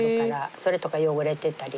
それとか汚れてたり。